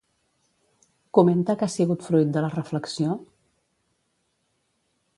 Comenta que ha sigut fruit de la reflexió?